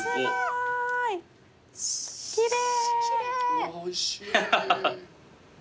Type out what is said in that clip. うわおいしい。